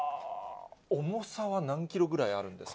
重さは何キロぐらいあるんですか？